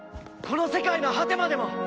この世界の果てまでも！